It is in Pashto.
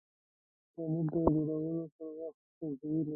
پنېر د خوړلو پر وخت خوشبو لري.